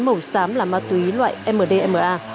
màu xám là ma túy loại mdma